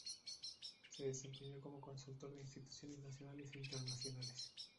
Se desempeñó como consultor de instituciones nacionales e internacionales.